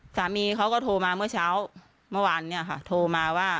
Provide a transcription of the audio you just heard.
สามีเขาก็โทรมาเมื่อเช้าเมื่อวานเนี่ยค่ะโทรมาว่า